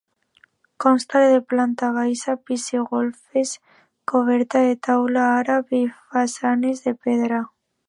Consta de planta baixa, pis i golfes, coberta de teula àrab i façanes de pedra.